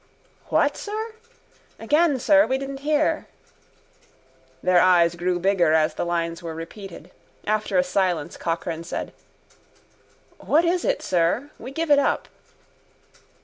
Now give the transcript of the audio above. —What, sir? —Again, sir. We didn't hear. Their eyes grew bigger as the lines were repeated. After a silence Cochrane said: —What is it, sir? We give it up.